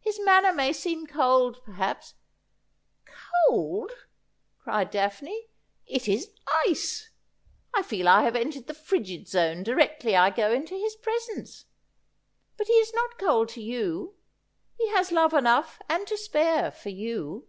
His manner may seem cold, per haps —'' Cold !' cried Daphne ;' it is ice. I feel I have entered the frigid zone directly I go into his presence. But he is not cold to you ; he has love enough, and to spare, for you.'